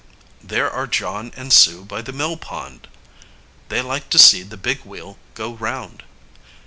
there are John and Sue by the mill pond. They like to see the big wheel go round.